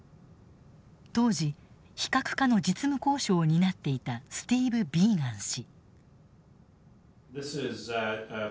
当時非核化の実務交渉を担っていたスティーブ・ビーガン氏。